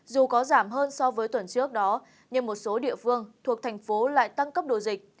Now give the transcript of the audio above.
dù có giảm hơn so với tuần trước đó nhưng một số địa phương thuộc thành phố lại tăng cấp đồ dịch